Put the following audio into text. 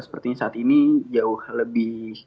sepertinya saat ini jauh lebih